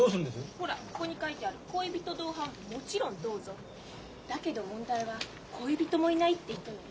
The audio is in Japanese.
ほらここに書いてある「恋人同伴もちろんどうぞ」だけど問題は恋人もいないって人よね。